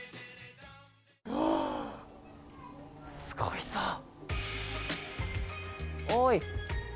すごいぞ。